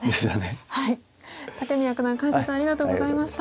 武宮九段解説ありがとうございました。